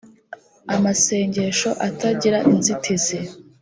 amasengesho atagira inzitizi